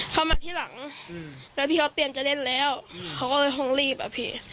เข้ามาที่หลังแล้วพี่เขาเตรียมจะเล่นแล้วเขาก็เลยคงรีบอ่ะพี่